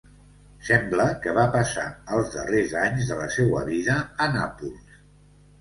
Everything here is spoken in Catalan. Sembla que va passar els darrers anys de la seua vida a Nàpols.